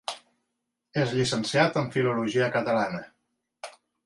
És llicenciat en Filologia Catalana.